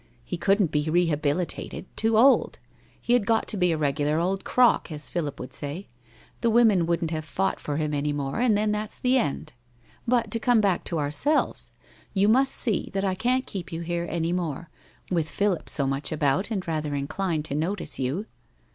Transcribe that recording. He couldn't be rehabilitated — too old. He had got to be a regular old crock, as Philip would say. The women wouldn't have fought for him any more, and then that's the end. But, to come back to ourselves. You must see that I can't keep you here any more, with Philip so much about and rather inclined to notice you?'